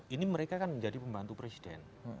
ini mereka kan menjadi pembantu presiden